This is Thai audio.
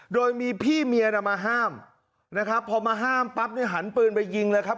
โดยมีพี่เมียน่ะมาห้ามนะครับพอมาห้ามปั๊บเนี่ยหันปืนไปยิงเลยครับ